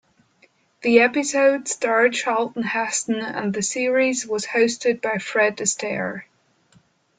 The episode starred Charlton Heston and the series was hosted by Fred Astaire.